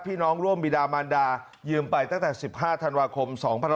พี่น้องร่วมบิดามันดายืมไปตั้งแต่๑๕ธันวาคม๒๕๖๒